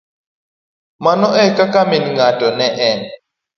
Mano ekaka min ng'ato ne en.